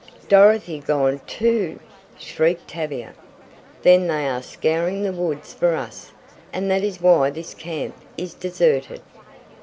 "Dorothy gone too!" shrieked Tavia. "Then they are scouring the woods for us, and that is why this camp is deserted!"